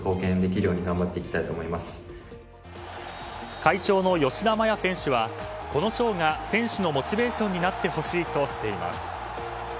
会長の吉田麻也選手はこの賞が選手のモチベーションになってほしいとしています。